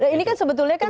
ini kan sebetulnya kan